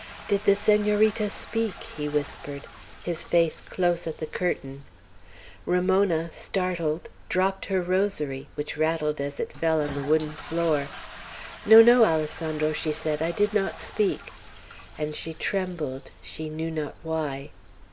"Did the Senorita speak?" he whispered, his face close at the curtain. Ramona, startled, dropped her rosary, which rattled as it fell on the wooden floor. "No, no, Alessandro," she said, "I did not speak." And she trembled, she knew not why.